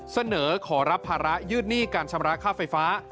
เสนอขอรับภาระยืดหนี้การชำระค่าไฟฟ้า